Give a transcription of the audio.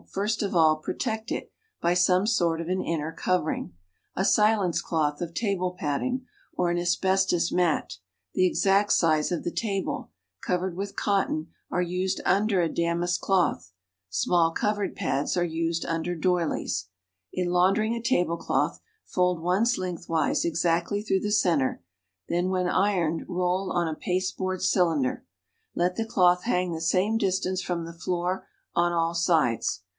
tirst uf all pi ofcci \\\>\ sdiiic sofl of an inner covering; a silence cloth of table padding, or an ashestos mat, the exact size of the tahle, covered with cotton are used un der a damask cloth; small covered ]iads are used under doilies. In humdering a tablecloth, fold once lengthwise exactly through the center, then when uoiicd roll on a pastelboard cylinder. Let the cloth hang the same distance from the floor on all sides.